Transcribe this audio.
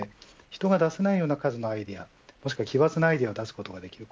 人が出せないような数のアイデアもしくは奇抜なアイデアを出すことができる。